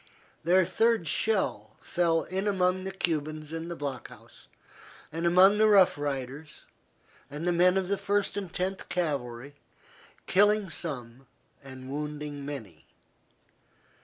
Their third shell fell in among the Cubans in the block house and among the Rough Riders and the men of the First and Tenth Cavalry, killing some and wounding many.